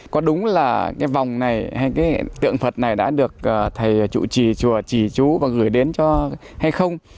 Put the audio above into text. có đúng là cái vòng này hay cái hiện tượng phật này đã được thầy chủ trì chùa chỉ chú và gửi đến cho hay không